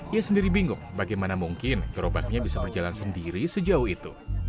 ia sendiri bingung bagaimana mungkin gerobaknya bisa berjalan sendiri sejauh itu